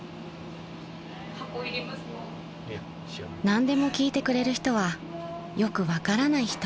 ［何でも聞いてくれる人はよく分からない人］